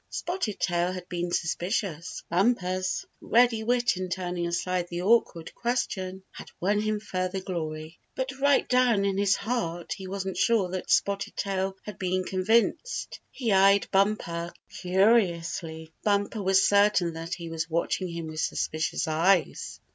Spotted Tail had been suspicious, but Bumper's ready wit in turning aside the awkward question had won him further glory. But right down in his heart he wasn't sure that Spotted Tail had been convinced. He eyed Bumper curiously. Bumper was certain that he was watching him with suspicious eyes.